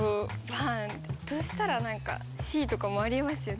そしたら何かＣとかもありえますよね